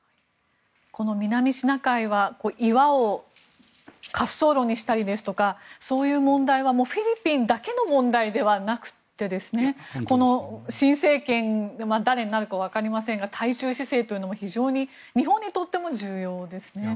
この南シナ海は岩を滑走路にしたりですとかそういう問題はフィリピンだけの問題ではなくて新政権誰になるかわかりませんが対中姿勢というのも大きいですよね。